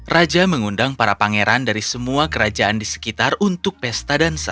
raja mengundang para pangeran dari semua kerajaan di sekitar untuk pesta dansa